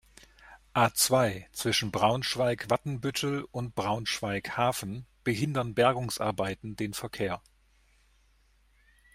A-zwei, zwischen Braunschweig-Watenbüttel und Braunschweig-Hafen behindern Bergungsarbeiten den Verkehr.